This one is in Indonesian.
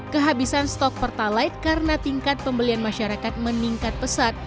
kehabisan stok pertalite karena tingkat pembelian masyarakat meningkat pesat